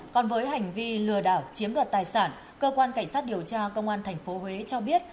còn với hành vi lừa đảo chiếm đoạt tài sản cơ quan cảnh sát điều tra công an tp huế cho biết